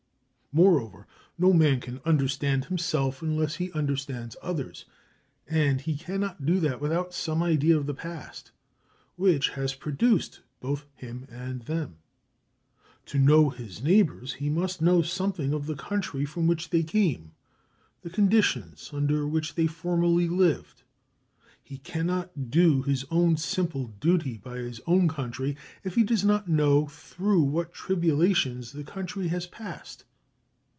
Moreover, no man can understand himself unless he understands others; and he cannot do that without some idea of the past, which has produced both him and them. To know his neighbors, he must know something of the country from which they came, the conditions under which they formerly lived. He cannot do his own simple duty by his own country if he does not know through what tribulations that country has passed.